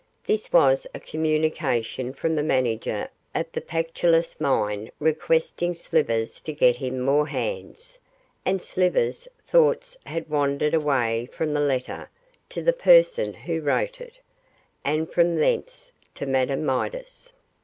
This was a communication from the manager of the Pactolus Mine requesting Slivers to get him more hands, and Slivers' thoughts had wandered away from the letter to the person who wrote it, and from thence to Madame Midas.